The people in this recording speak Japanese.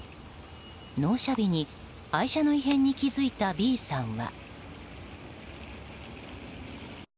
納車日に愛車の異変に気付いたＢさんは。